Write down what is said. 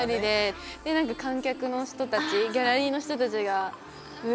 何か観客の人たちギャラリーの人たちが上で見られてて。